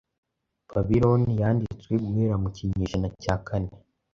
Babiloni yanditswe guhera mu kinyejana cya kane